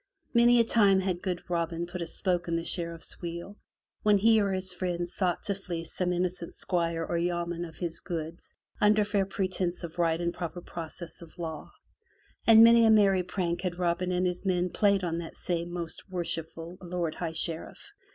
Many a time had good Robin put a spoke in the Sheriff's wheel when he or his 50 FROM THE TOWER WINDOW friends sought to fleece some innocent squire or yeoman of his goods under fair pretense of right and proper process of law, and many a merry prank had Robin and his men played on that same most worshipful Lord High Sheriff.